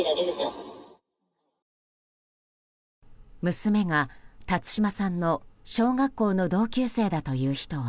娘が辰島さんの小学校の同級生だという人は。